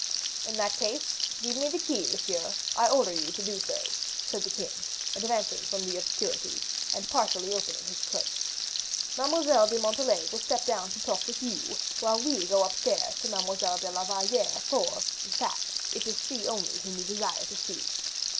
"In that case, give me the key, monsieur: I order you to do so," said the king, advancing from the obscurity, and partially opening his cloak. "Mademoiselle de Montalais will step down to talk with you, while we go up stairs to Mademoiselle de la Valliere, for, in fact, it is she only whom we desire to see."